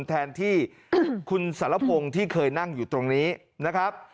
แทนที่คุณสารพงศ์ที่เคยนั่งอยู่ตรงนี้นะครับ